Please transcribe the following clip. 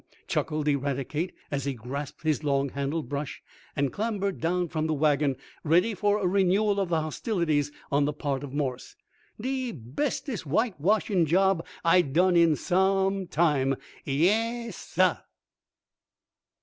chuckled Eradicate, as he grasped his long handled brush, and clambered down from the wagon, ready for a renewal of the hostilities on the part of Morse. "De bestest white washin' job I done in some time; yais, sah!"